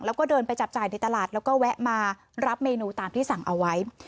แล้วก็เดินไปจับจ่ายในตลาดแล้วก็แวะมารับเมนูตามที่สั่งเอาไว้